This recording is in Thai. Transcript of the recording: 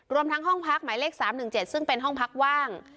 รวมทั้งห้องพักหมายเลข๓๑๗ซึ่งเป็นห้องพักว่าง